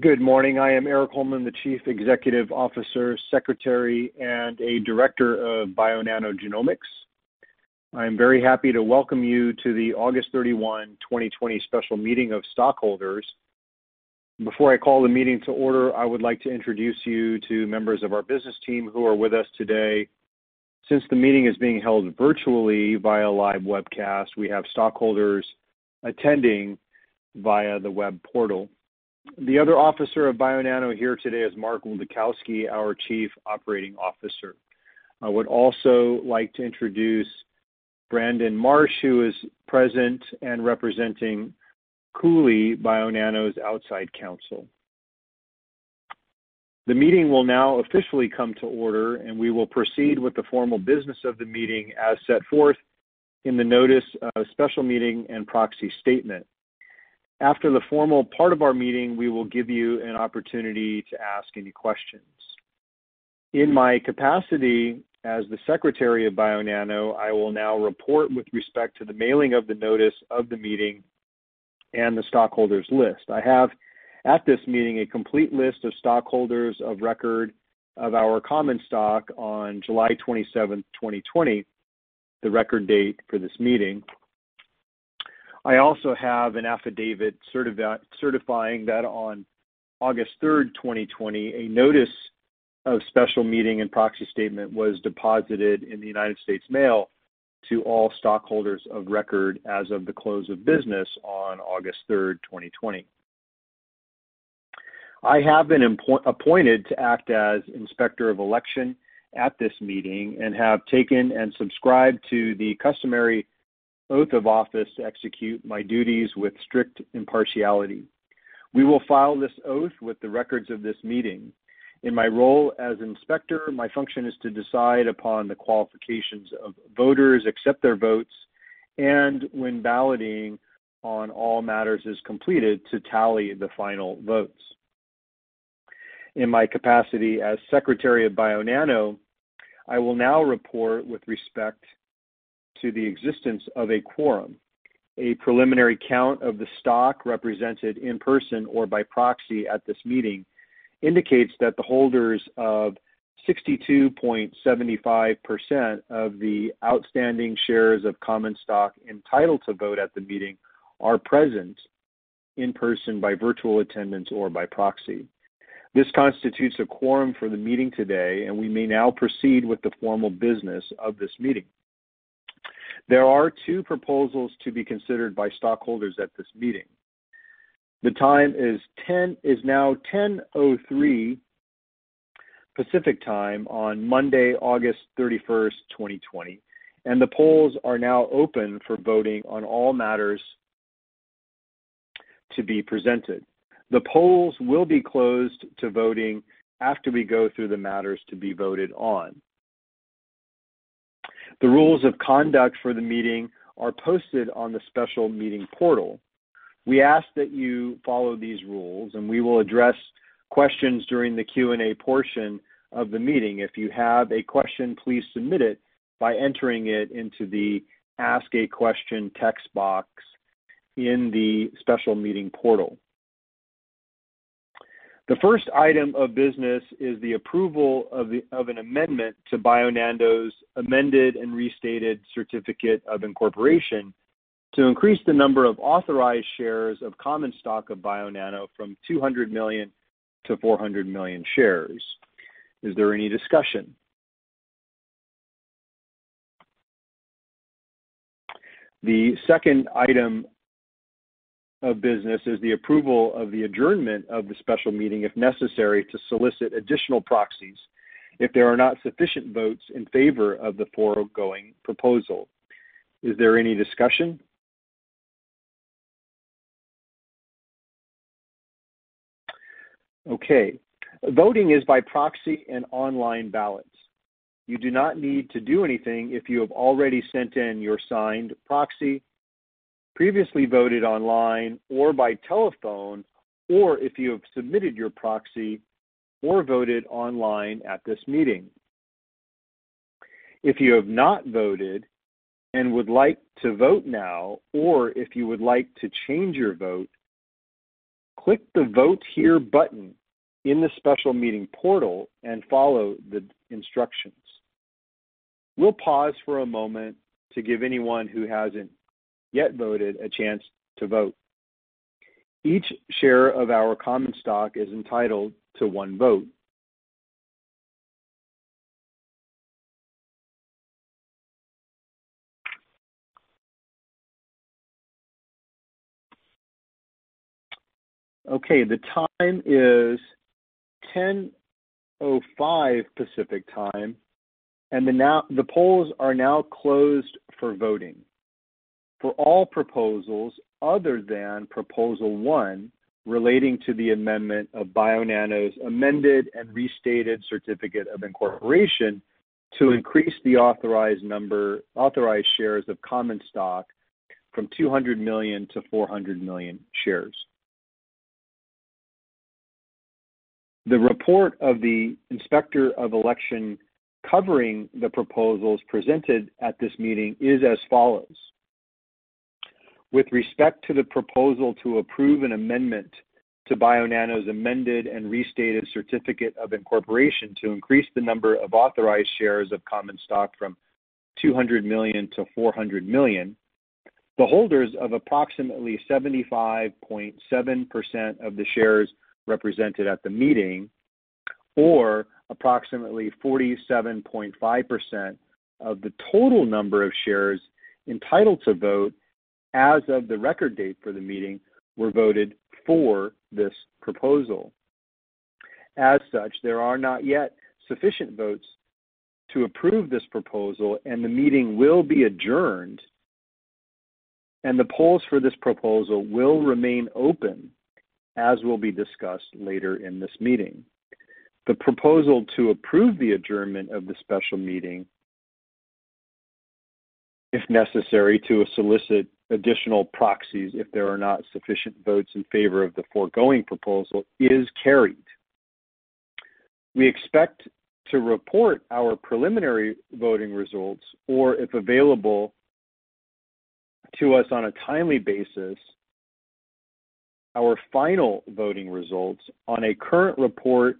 Good morning. I am Erik Holmlin, the Chief Executive Officer, Secretary, and a Director of Bionano Genomics. I am very happy to welcome you to the August 31, 2020, special meeting of stockholders. Before I call the meeting to order, I would like to introduce you to members of our business team who are with us today. Since the meeting is being held virtually via live webcast, we have stockholders attending via the web portal. The other officer of Bionano here today is Mark Oldakowski, our Chief Operating Officer. I would also like to introduce Brandon Marsh, who is present and representing Cooley, Bionano's outside counsel. The meeting will now officially come to order, and we will proceed with the formal business of the meeting as set forth in the notice of special meeting and proxy statement. After the formal part of our meeting, we will give you an opportunity to ask any questions. In my capacity as the Secretary of Bionano, I will now report with respect to the mailing of the notice of the meeting and the stockholders' list. I have at this meeting a complete list of stockholders of record of our common stock on July 27, 2020, the record date for this meeting. I also have an affidavit certifying that on August 3, 2020, a notice of special meeting and proxy statement was deposited in the United States mail to all stockholders of record as of the close of business on August 3, 2020. I have been appointed to act as Inspector of Election at this meeting and have taken and subscribed to the customary oath of office to execute my duties with strict impartiality. We will file this oath with the records of this meeting. In my role as Inspector, my function is to decide upon the qualifications of voters, accept their votes, and when balloting on all matters is completed, to tally the final votes. In my capacity as Secretary of Bionano, I will now report with respect to the existence of a quorum. A preliminary count of the stock represented in person or by proxy at this meeting indicates that the holders of 62.75% of the outstanding shares of common stock entitled to vote at the meeting are present in person by virtual attendance or by proxy. This constitutes a quorum for the meeting today, and we may now proceed with the formal business of this meeting. There are two proposals to be considered by stockholders at this meeting. The time is 10:00, is now 10:03 AM. Pacific Time on Monday, August 31, 2020, and the polls are now open for voting on all matters to be presented. The polls will be closed to voting after we go through the matters to be voted on. The rules of conduct for the meeting are posted on the special meeting portal. We ask that you follow these rules, and we will address questions during the Q&A portion of the meeting. If you have a question, please submit it by entering it into the Ask a Question text box in the special meeting portal. The first item of business is the approval of an amendment to Bionano amended and restated certificate of incorporation to increase the number of authorized shares of common stock of Bionano Genomics from 200 million-400 million shares. Is there any discussion? The second item of business is the approval of the adjournment of the special meeting, if necessary, to solicit additional proxies if there are not sufficient votes in favor of the foregoing proposal. Is there any discussion? Okay. Voting is by proxy and online ballots. You do not need to do anything if you have already sent in your signed proxy, previously voted online or by telephone, or if you have submitted your proxy or voted online at this meeting. If you have not voted and would like to vote now, or if you would like to change your vote, click the Vote Here button in the special meeting portal and follow the instructions. We'll pause for a moment to give anyone who hasn't yet voted a chance to vote. Each share of our common stock is entitled to one vote. Okay. The time is 10:05 AM. Pacific Time, and the polls are now closed for voting for all proposals other than proposal one relating to the amendment of Bionano amended and restated certificate of incorporation to increase the authorized number, authorized shares of common stock from 200 million-400 million shares. The report of the Inspector of Election covering the proposals presented at this meeting is as follows. With respect to the proposal to approve an amendment to Bionano amended and restated certificate of incorporation to increase the number of authorized shares of common stock from 200 million-400 million, the holders of approximately 75.7% of the shares represented at the meeting or approximately 47.5% of the total number of shares entitled to vote as of the record date for the meeting were voted for this proposal. As such, there are not yet sufficient votes to approve this proposal, and the meeting will be adjourned, and the polls for this proposal will remain open as will be discussed later in this meeting. The proposal to approve the adjournment of the special meeting, if necessary, to solicit additional proxies if there are not sufficient votes in favor of the foregoing proposal is carried. We expect to report our preliminary voting results or, if available to us on a timely basis, our final voting results on a current report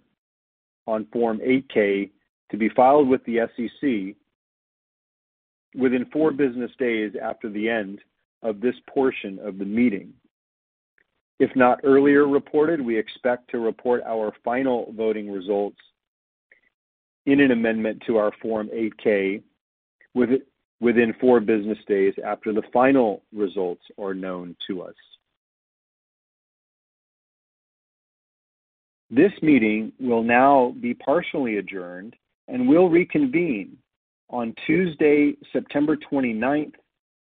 on Form 8-K to be filed with the SEC within four business days after the end of this portion of the meeting. If not earlier reported, we expect to report our final voting results in an amendment to our Form 8-K within four business days after the final results are known to us. This meeting will now be partially adjourned and will reconvene on Tuesday, September 29,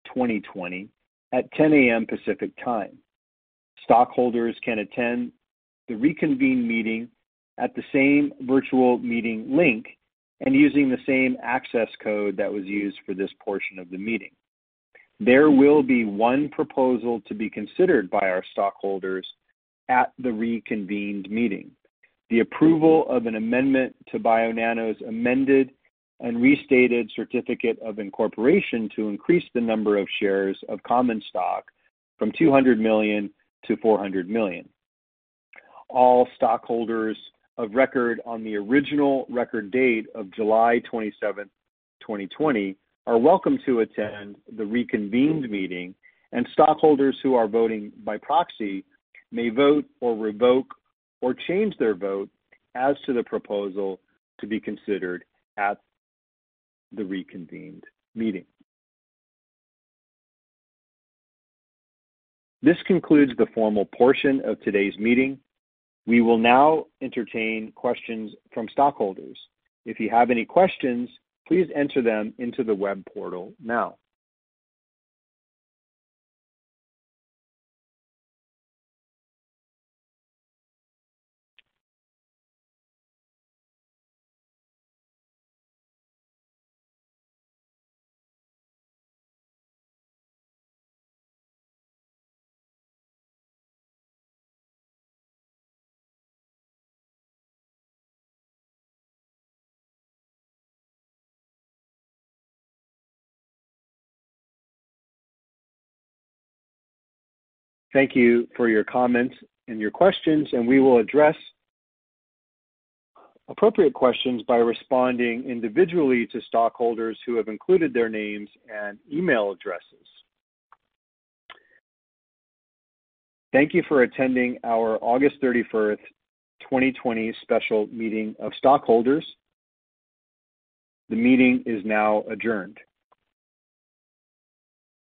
2020, at 10:00 AM Pacific Time. Stockholders can attend the reconvened meeting at the same virtual meeting link and using the same access code that was used for this portion of the meeting. There will be one proposal to be considered by our stockholders at the reconvened meeting. The approval of an amendment to Bionano Genomics' amended and restated certificate of incorporation to increase the number of shares of common stock from 200 million-400 million. All stockholders of record on the original record date of July 27, 2020, are welcome to attend the reconvened meeting, and stockholders who are voting by proxy may vote or revoke or change their vote as to the proposal to be considered at the reconvened meeting. This concludes the formal portion of today's meeting. We will now entertain questions from stockholders. If you have any questions, please enter them into the web portal now. Thank you for your comments and your questions, and we will address appropriate questions by responding individually to stockholders who have included their names and email addresses. Thank you for attending our August 31, 2020, special meeting of stockholders. The meeting is now adjourned.